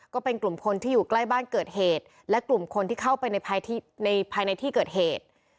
ก็เป็นกลุ่มคนที่อยู่ใกล้บ้านเกิดเหตุและกลุ่มคนที่เข้าไปในภายในที่เกิดเหตุ